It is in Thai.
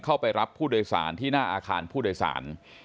เข้าไปรับผู้โดยสารที่หน้าอาคารผู้โดยสาร